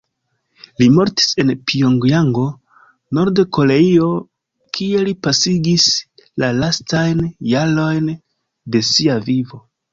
Li mortis en Pjongjango, Nord-Koreio kie li pasigis la lastajn jarojn de sia vivo.